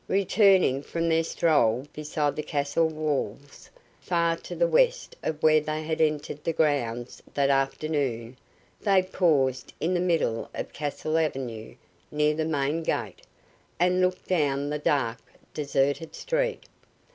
Returning from their stroll beside the castle walls, far to the west of where they had entered the grounds that afternoon, they paused in the middle of Castle Avenue, near the main gate, and looked down the dark, deserted street.